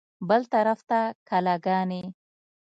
بل طرف ته کلاګانې.